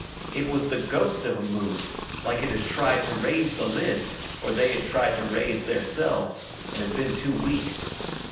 It was the ghost of a move, like it had tried to raise the lids, or they had tried to raise theirselves, and had been too weak.